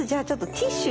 ティッシュ？